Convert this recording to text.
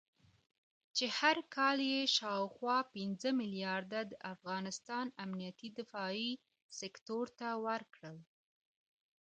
چې هر کال یې شاوخوا پنځه مليارده د افغانستان امنيتي دفاعي سکتور ته ورکول